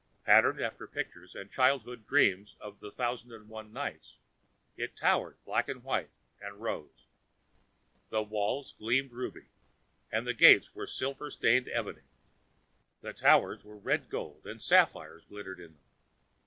Patterned after pictures and childhood dreams of the Thousand and One Nights, it towered black and white and rose. The walls were gleaming ruby, and the gates were of silver stained ebony. The towers were red gold, and sapphires glittered in them.